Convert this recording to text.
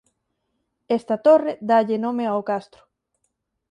Esta torre dálle nome ao castro.